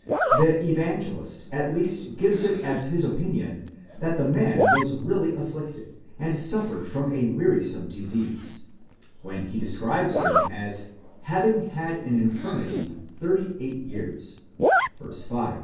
19 The Evangelist at least gives it as his opinion that the man was really afflicted, and suffered from a wearisome disease, when he describes him as having had an infirmity thirty eight years, τριάκοντα καὶ ὀκτὼ ἔτη ἔχων ἐν τῇ ἀσθενείᾳ (v.